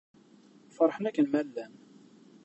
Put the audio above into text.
Feṛḥen akken ma llan.